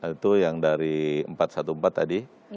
itu yang dari empat ratus empat belas tadi